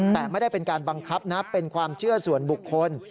แต่ไม่ได้เป็นการบังคับนะเป็นความเชื่อส่วนบุคคล